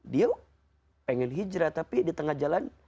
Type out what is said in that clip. dia pengen hijrah tapi di tengah jalan